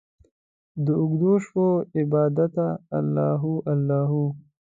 داوږدوشپو عبادته الله هو، الله هو